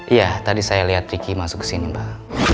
iya tadi saya lihat riki masuk kesini mbak